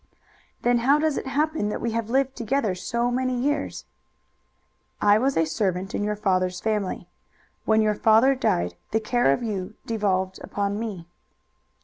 "Then how does it happen that we have lived together so many years?" "I was a servant in your father's family. When your father died the care of you devolved upon me."